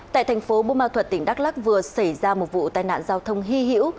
tại thành phố bô ma thuật tỉnh đắk lắc vừa xảy ra một vụ tai nạn giao thông hy hữu